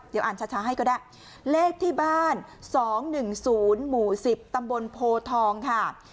เดี๋ยวอ่านช้าช้าให้ก็ได้เลขที่บ้านสองหนึ่งศูนย์หมู่สิบตำบลโพทองค่ะ